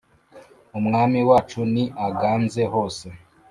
Umwami wacu ni aganze hose